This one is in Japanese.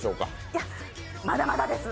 いや、まだまだです。